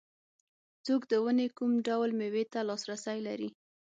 څوک د ونې کوم ډول مېوې ته لاسرسی لري.